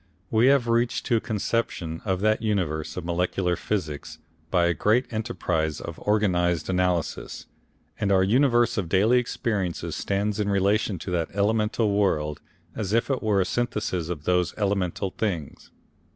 We have reached to a conception of that universe of molecular physics by a great enterprise of organised analysis, and our universe of daily experiences stands in relation to that elemental world as if it were a synthesis of those elemental things.